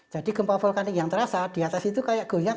jadi gempa vulkanik yang terasa di atas itu kayak goyang